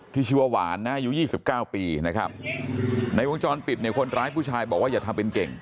ที่ชื่อว่าหวานนะอายุ๒๙ปีนะครับในวงจรปิดเนี่ยคนร้ายผู้ชายบอกว่าอย่าทำเป็นเก่ง